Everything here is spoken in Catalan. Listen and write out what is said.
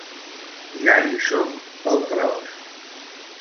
Ja hi som pel tros!